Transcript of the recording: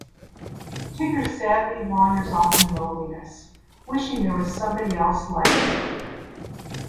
Tigger sadly wanders off in loneliness, wishing there was somebody else like him.